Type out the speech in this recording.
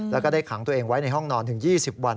แล้วก็ได้ขังตัวเองไว้ในห้องนอนถึง๒๐วัน